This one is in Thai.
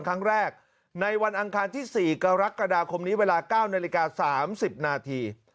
ครั้งแรกในวันอังคารที่๔กรกฎาคมนี้เวลา๙นาฬิกา๓๐นาที